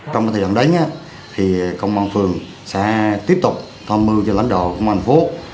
trong thời gian đánh thì công an phường sẽ tiếp tục tham mưu cho lãnh đạo công an phố